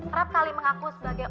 serap kali mengaku sebagai